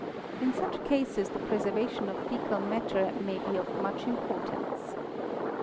In such cases the preservation of foecal matter may be of much importance.